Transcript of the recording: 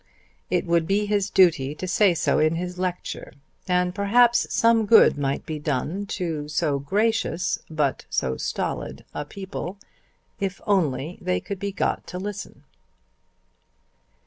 It would be his duty to say so in his lecture, and perhaps some good might be done to so gracious but so stolid a people, if only they could be got to listen.